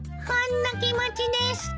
ほんの気持ちです。